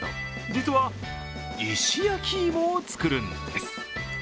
実は、石焼き芋を作るんです。